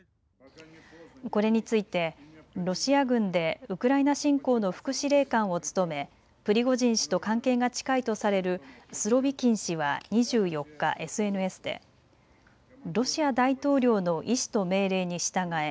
これについてロシア軍でウクライナ侵攻の副司令官を務めプリゴジン氏と関係が近いとされるスロビキン氏は２４日、ＳＮＳでロシア大統領の意志と命令に従え。